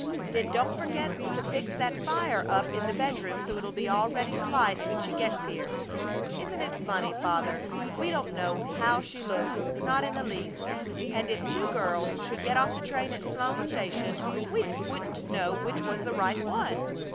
Then don't forget to fix that fire up in the bedroom so it'll be all ready to light when she gets here. Isn't it funny, Father, we don't know how she looks! Not in the least. And if two girls should get off the train at Sloan's Station we wouldn't know which was the right one!"